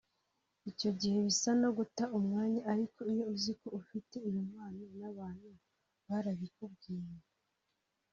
icyo gihe bisa no guta umwanya ariko iyo uziko ufite iyo mpano n’abantu barabikubwiye